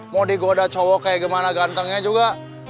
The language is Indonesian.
mau digoda cowok kayak gimana gantengnya juga